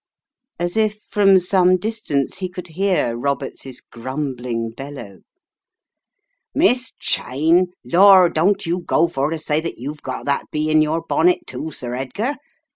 As if from some distance he could hear Roberts's grumbling bellow: "Miss Cheyne? Lor', don't you go for to say you've got that bee in your bonnet, too, Sir Edgar.